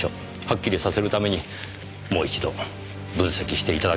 はっきりさせるためにもう一度分析して頂けませんか？